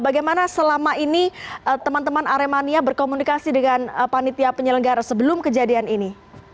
bagaimana selama ini teman teman aremania berkomunikasi dengan panitia penyelenggara sebelum kejadian ini